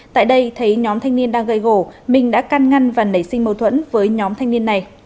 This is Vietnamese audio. tại đây thấy nhóm thanh niên đang gây gổ minh đã can ngăn và nảy sinh mâu thuẫn với nhóm thanh niên này